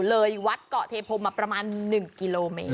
เลยวัดเกาะเทพมมาประมาณ๑กิโลเมตร